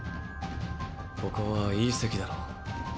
ここはいい席だ。